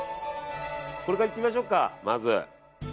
これからいってみましょうかまず。